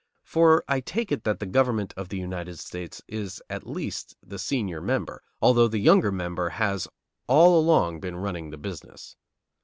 For I take it that the government of the United States is at least the senior member, though the younger member has all along been running the business.